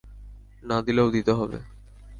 না দিলেও, দিতে হবে।